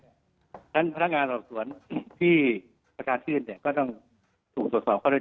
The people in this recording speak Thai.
ความปกป้องขั้นตอนตรงไหนหรือยังไง